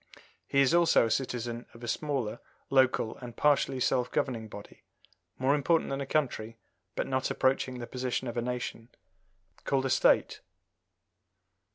He is also a citizen of a smaller local and partially self governing body more important than a county, but not approaching the position of a nation called a State.